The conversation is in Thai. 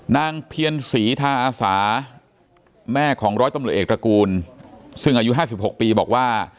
นางเพียรศรีทาอาสาแม่ของร้อยตำรวจเอกตระกูลซึ่งอายุ๕๖ปีบอกว่า